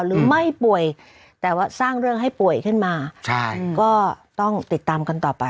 หรือไม่ป่วยแต่ว่าสร้างเรื่องให้ป่วยขึ้นมาใช่ก็ต้องติดตามกันต่อไป